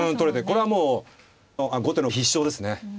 これはもう後手の必勝ですね。